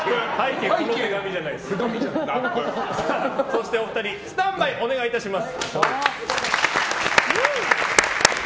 そして、お二人スタンバイお願いいたします。